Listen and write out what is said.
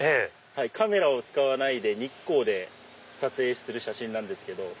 カメラを使わないで日光で撮影する写真なんですけど。